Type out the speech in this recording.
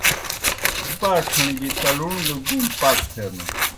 باڇھݨ گیْ تلْوݨ گہ گُوم پاک تھینَن۔